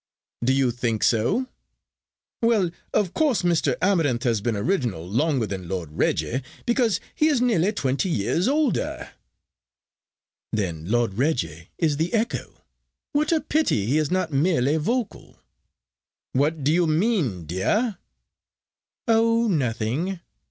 "Do you think so? Well, of course Mr. Amarinth has been original longer than Lord Reggie, because he is nearly twenty years older." "Then Lord Reggie is the echo. What a pity he is not merely vocal." "What do you mean, dear?" "Oh! nothing.